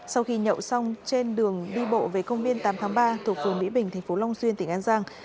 sau khi nhậu xong trên đường đi bộ về công viên tám tháng ba thuộc phường mỹ bình tp long xuyên tỉnh an giang